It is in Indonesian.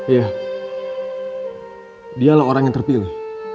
iya dia lah orang yang terpilih